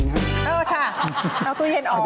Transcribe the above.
เออค่ะเอาตู้เย็นออก